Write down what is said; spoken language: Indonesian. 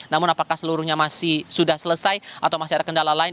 namun apakah seluruhnya masih sudah selesai atau masih ada kendala lain